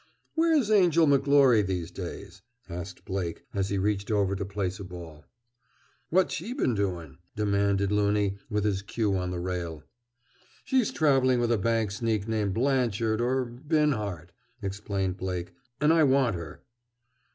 "Where's Angel McGlory these days?" asked Blake, as he reached over to place a ball. "What's she been doin'?" demanded Loony, with his cue on the rail. "She's traveling with a bank sneak named Blanchard or Binhart," explained Blake. "And I want her."